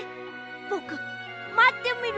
ぼくまってみる。